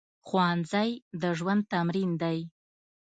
ښوونځی د ژوند تمرین دی